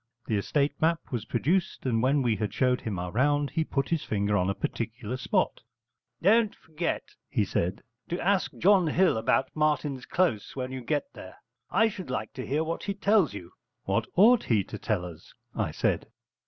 The estate map was produced, and when we had showed him our round, he put his finger on a particular spot. 'Don't forget,' he said, 'to ask John Hill about Martin's Close when you get there. I should like to hear what he tells you.' 'What ought he to tell us?' I said.